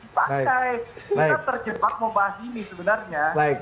membahayakan ini sebenarnya baik